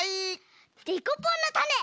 デコポンのたね！